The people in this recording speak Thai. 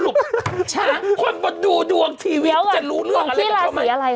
สรุปช้างคนบนดูดวงทีวีจะรู้เรื่องอะไรกับเขาไหมของพี่ลาสีอะไร